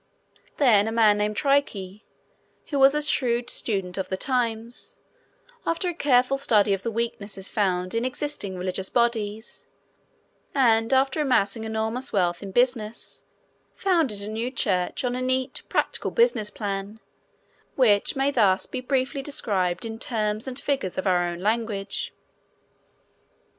Then a man named Trique, who was a shrewd student of the times, after a careful study of the weaknesses found in existing religious bodies, and after amassing enormous wealth in business, founded a new church on a neat, practical business plan which may thus be briefly described in terms and figures of our own language.